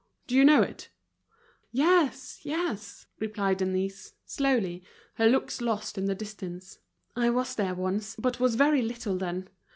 Do you know it?" "Yes, yes," replied Denise, slowly, her looks lost in the distance. "I was there once, but was very little then.